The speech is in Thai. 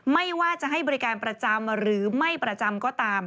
ไม่ว่าจะให้บริการประจำหรือไม่ประจำก็ตาม